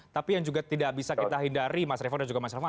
tapi yang juga tidak bisa kita hindari mas revo dan juga mas revo